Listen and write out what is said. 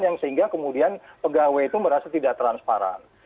yang sehingga kemudian pegawai itu merasa tidak transparan